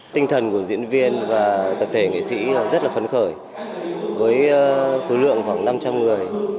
tinh thần của diễn viên và tập thể nghệ sĩ rất là phấn khởi với số lượng khoảng năm trăm linh người